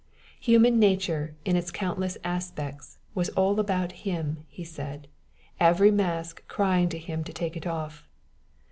Human nature, in its countless aspects, was all about him, he said, every mask crying to him to take it off.